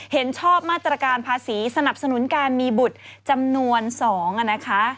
เห็นชอบมาตรการภาษีสนับสนุนการมีบุตรจำนวน๒นะคะ